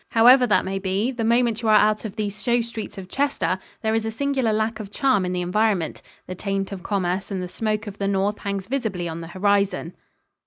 However that may be, the moment you are out of these show streets of Chester, there is a singular lack of charm in the environment. The taint of commerce and the smoke of the north hangs visibly on the horizon.